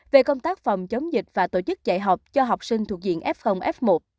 về công tác phòng chống dịch và tổ chức dạy học cho học sinh thuộc diện f f một